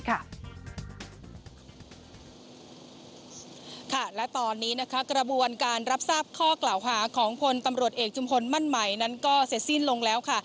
ค่ะและตอนนี้นะคะกระบวนการรับทราบข้อกล่าวหาของพลตำรวจเอกจุมพลมั่นใหม่นั้นก็เสร็จสิ้นลงแล้วค่ะ